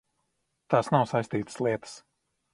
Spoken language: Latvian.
Tās nav saistītas lietas.